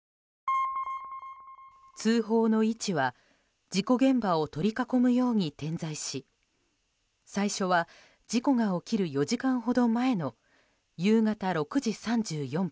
通報の位置は事故現場を取り囲むように点在し最初は事故が起きる４時間ほど前の夕方６時３４分。